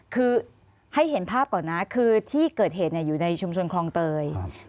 คือให้เห็นภาพก่อนนะคือที่เกิดเหตุอยู่ในชุมชนคลองเตย